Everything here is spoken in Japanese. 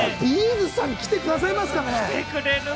’ｚさん、来てくださいますかね？